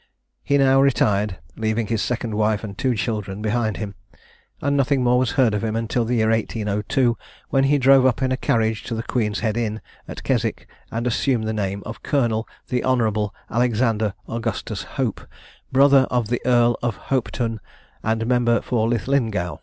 He now retired, leaving his second wife and two children behind him; and nothing more was heard of him until the year 1802, when he drove up in a carriage to the Queen's Head Inn, at Keswick, and assumed the name of Colonel the Hon. Alexander Augustus Hope, brother of the Earl of Hopetoun, and member for Linlithgow.